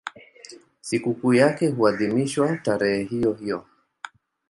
Sikukuu yake huadhimishwa tarehe hiyohiyo.